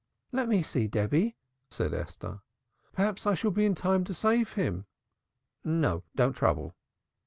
"Let me see, Debby," said Esther. "Perhaps I shall be in time to save him." "No, don't trouble."